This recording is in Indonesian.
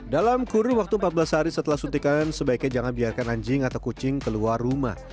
dalam kurun waktu empat belas hari setelah suntikan sebaiknya jangan biarkan anjing atau kucing keluar rumah